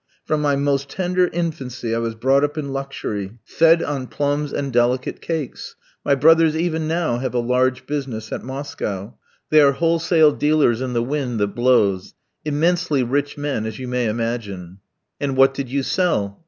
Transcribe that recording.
"From my most tender infancy I was brought up in luxury, fed on plums and delicate cakes. My brothers even now have a large business at Moscow. They are wholesale dealers in the wind that blows; immensely rich men, as you may imagine." "And what did you sell?"